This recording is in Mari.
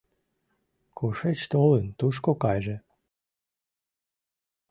Кушеч толын, тушко кайже!